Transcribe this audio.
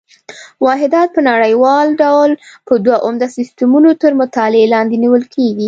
واحدات په نړیوال ډول په دوه عمده سیسټمونو تر مطالعې لاندې نیول کېږي.